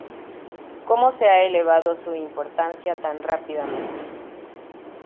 Cómo se ha elevado su importancia tan rápidamente.